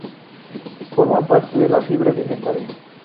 Forma parte de la fibra alimentaria.